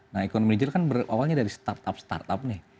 nah ekonomi digital kan berawalnya dari startup startup nih